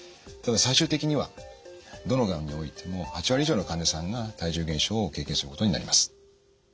ただ最終的にはどのがんにおいても８割以上の患者さんが体重減少を経験することになります。